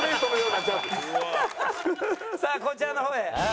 さあこちらの方へ。